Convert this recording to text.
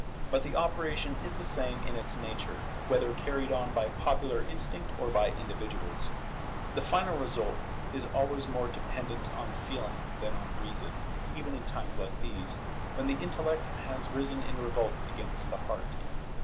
But the operation is the same in its nature, whether carried on by popular instinct or by individuals. The final result is always more dependent on feeling than on reason, even in times like these, when the intellect has risen in revolt against the heart.